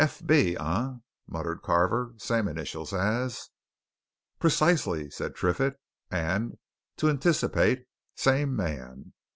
"F. B., eh?" muttered Carver. "Same initials as " "Precisely," said Triffitt, "and to anticipate same man.